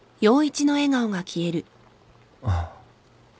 あっ。